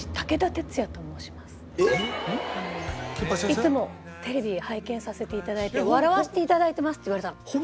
「いつもテレビ拝見させていただいて笑わせていただいてます」って言われたの。